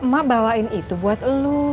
mama bawain itu buat lo